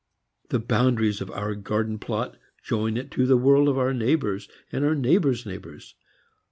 The boundaries of our garden plot join it to the world of our neighbors and our neighbors' neighbors.